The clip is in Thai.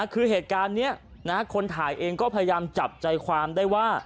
คือเหตุการณ์นี้คนถ่ายเองก็พยายามจับใจความได้ว่า